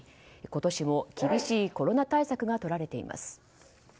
今年も厳しいコロナ対策がとられています。